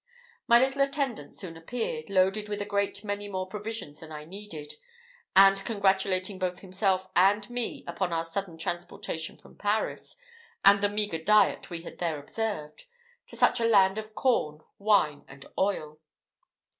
My little attendant soon appeared, loaded with a great many more provisions than I needed, and congratulating both himself and me upon our sudden transposition from Paris, and the meagre diet we had there observed, to such a land of corn, wine, and oil.